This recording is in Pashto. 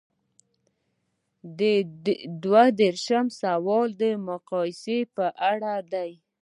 دوه دیرشم سوال د مقایسې په اړه دی.